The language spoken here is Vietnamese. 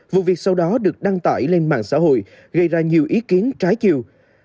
vụ việc sau đó được đăng tải lên mạng xã hội gây ra nhiều ý kiến trái chiều